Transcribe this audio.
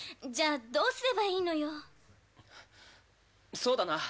そうだな。